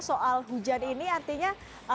soal hujan ini artinya